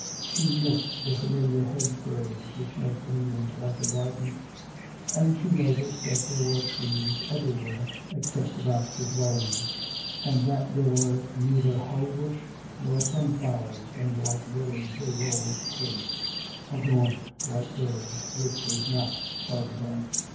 She missed the familiar hedgerows which make England like a garden; and she noticed that there were trees everywhere except about the dwellings; and that there were neither hollybush or sunflowers in the white village they rolled through a gaunt white village which was not Barbizon.